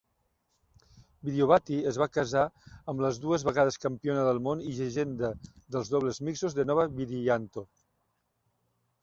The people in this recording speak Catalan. Widiowati es va casar amb la dues vegades campiona del món i llegenda dels dobles mixtos de Nova Widianto.